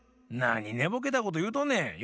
なにねぼけたこというとんねん。